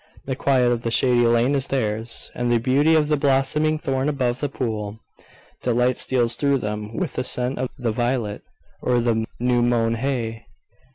The quiet of the shady lane is theirs, and the beauty of the blossoming thorn above the pool. Delight steals through them with the scent of the violet, or the new mown hay.